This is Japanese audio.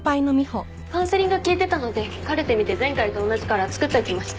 カウンセリング聞いてたのでカルテ見て前回と同じカラー作っておきました。